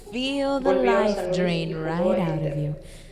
Volvió a San Luis y jugó en Dep.